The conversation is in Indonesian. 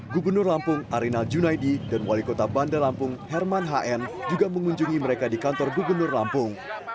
gubernur lampung arinal junaidi dan wali kota bandar lampung herman hn juga mengunjungi mereka di kantor gubernur lampung